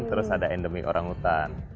terus ada endemic orang hutan